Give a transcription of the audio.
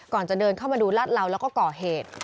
ก่อนจะเดินเข้ามาดูลาดเหลาแล้วก็ก่อเหตุ